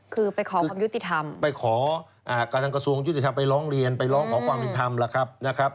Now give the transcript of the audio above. คือไปขอความยุติธรรมไปขอกระทรังกระทรวงยุติธรรมไปร้องเรียนไปร้องขอความยุติธรรม